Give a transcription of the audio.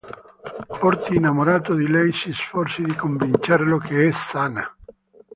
Forti, innamorato di lei, si sforzi di convincerlo che è sana.